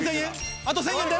あと１０００円で。